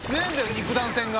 肉弾戦が。